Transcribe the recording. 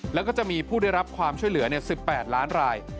แล้วก็จะมีผู้ได้รับความช่วยเหลือ๑๘ล้านราย